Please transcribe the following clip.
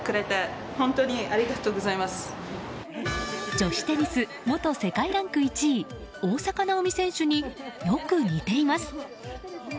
女子テニス元世界ランク１位大坂なおみ選手によく似ています。